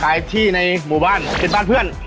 ขายที่ในหมู่บ้านเป็นบ้านเพื่อน